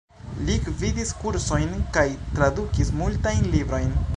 Li gvidis kursojn kaj tradukis multajn librojn.